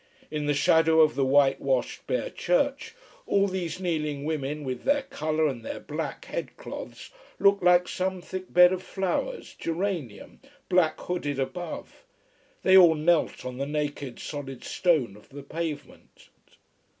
In the shadow of the whitewashed, bare church all these kneeling women with their colour and their black head cloths looked like some thick bed of flowers, geranium, black hooded above. They all knelt on the naked, solid stone of the pavement.